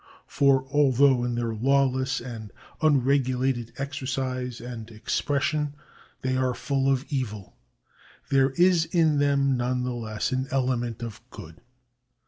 For although in their lawless and unregulated exercise and expression they are full of evil, there is in them none the less an element of good.